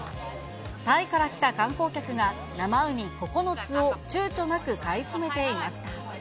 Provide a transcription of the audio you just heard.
タイから来た観光客が生ウニ９つをちゅうちょなく買い占めていました。